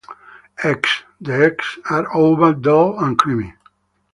Eggs: The eggs are oval, dull, and creamy.